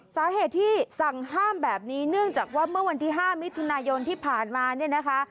สาเหตุที่สั่งห้ามแบบนี้เนื่องจากว่าเมื่อวันที่๕มิถุนายนที่ผ่านมาเนี่ยนะคะ